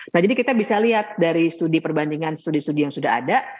nah jadi kita bisa lihat dari studi perbandingan studi studi yang sudah ada